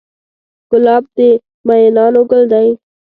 ګلاب د مینانو ګل دی.